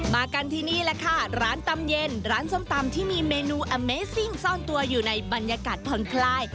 มากันที่นี่แหละค่ะร้านตำเย็นร้านส้มตำที่มีเมนูอเมซิ่งซ่อนตัวอยู่ในบรรยากาศผ่อนคลาย